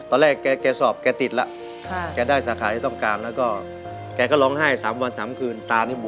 ตอนแรกแกสอบแกติดแล้วแกได้สาขาที่ต้องการแล้วก็แกก็ร้องไห้๓วัน๓คืนตานี่บว